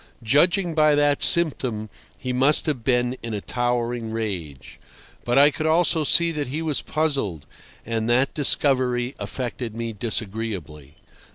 Judging by that symptom, he must have been in a towering rage. But I could also see that he was puzzled, and that discovery affected me disagreeably.